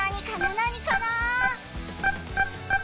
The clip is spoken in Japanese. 何かな？